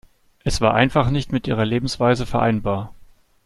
Es war einfach nicht mit ihrer Lebensweise vereinbar.